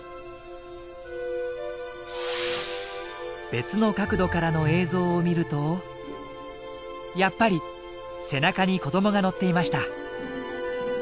別の角度からの映像を見るとやっぱり背中に子どもが乗っていました。